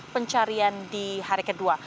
pencarian di hari kedua